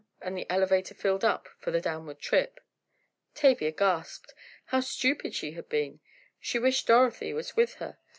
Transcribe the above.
and the elevator filled up for the downward trip. Tavia gasped. How stupid she had been! How she wished Dorothy was with her!